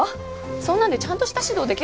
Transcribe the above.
そんなんでちゃんとした指導できるの？